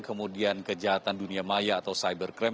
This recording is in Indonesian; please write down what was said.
kemudian kejahatan dunia maya atau cybercrime